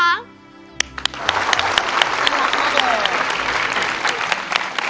น่ารักจริง